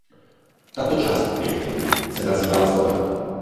Tato část objektivu se nazývá clona.